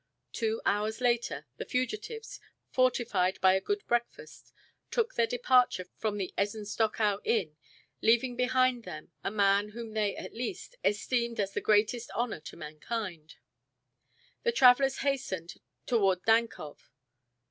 Two hours later the fugitives, fortified by a good breakfast, took their departure from the Ezenstochow inn, leaving behind them a man whom they, at least, esteemed as the greatest honor to mankind. The travelers hastened toward Dankow.